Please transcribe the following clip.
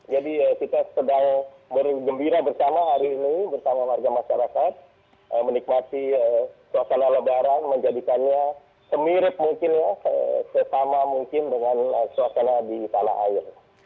jadi kita sedang bergembira bersama hari ini bersama warga masyarakat menikmati suasana lebaran menjadikannya semirip mungkin sesama mungkin dengan suasana di tanah air